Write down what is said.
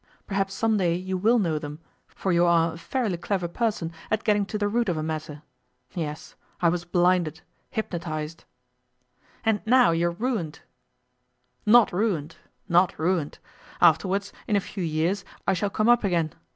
Perhaps some day you will know them, for you are a fairly clever person at getting to the root of a matter. Yes, I was blinded, hypnotized.' 'And now you are ruined.' 'Not ruined, not ruined. Afterwards, in a few years, I shall come up again.